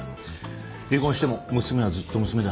離婚しても娘はずっと娘だ。